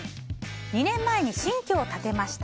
２年前に新居を建てました。